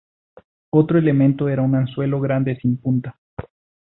Otro elemento era un anzuelo grande sin punta.